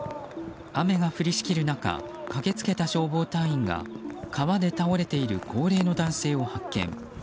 雨が降りしきる中駆けつけた消防隊員が川で倒れている高齢の男性を発見。